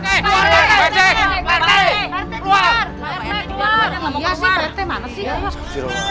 iya sih pak rt mana sih